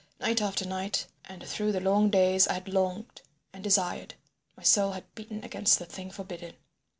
Night after night and through the long days I had longed and desired—my soul had beaten against the thing forbidden!